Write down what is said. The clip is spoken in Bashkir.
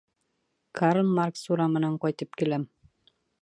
Карл Маркс урамынан ҡайтып киләм.